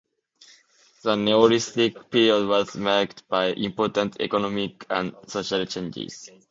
The Neolithic period was marked by important economic and social changes.